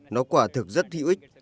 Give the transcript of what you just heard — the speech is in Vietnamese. nó quả thực rất thí ức